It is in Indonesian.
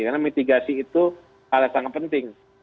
karena mitigasi itu hal yang sangat penting